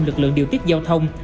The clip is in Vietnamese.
lực lượng điều tiết giao thông